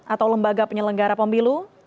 atau lembaga penyelenggara pemilu